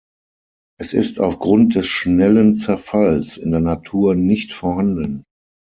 Es ist aufgrund des schnellen Zerfalls in der Natur nicht vorhanden.